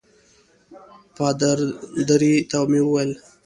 پادري ته مې وویل.